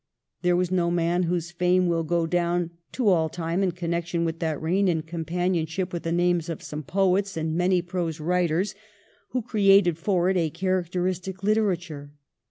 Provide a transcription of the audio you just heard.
There was no man whose fame will go down to all time in connection with that reign in companion ship with the names of some poets and many prose writers who created for it a characteristic literature.